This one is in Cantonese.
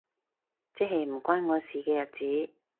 即係唔關我事嘅日子